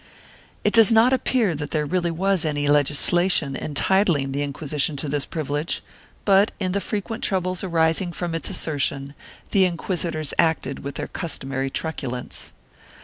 2 It does not appear that there really was any legislation entitling the Inquisition to this privi lege, but in the frequent troubles arising from its assertion, the inquisitors acted with their customary truculence.